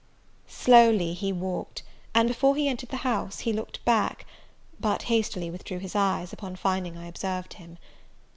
Slowly he walked; and, before he entered the house, he looked back, but hastily withdrew his eyes, upon finding I observed him.